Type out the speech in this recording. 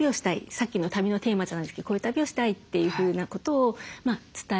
さっきの旅のテーマじゃないんですけどこういう旅をしたいというふうなことを伝えるという。